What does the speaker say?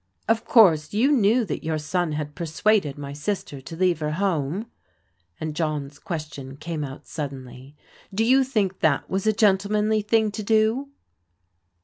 " Of course you knew that your son had persuaded my sister to leave her home ?" and John's question came out suddenly. " Do you think that was a gentlemanly thing to do?"